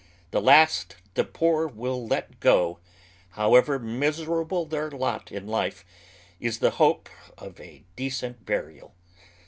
The last the poor will let go, however miserable their lot in life, is the hope of a decent burial.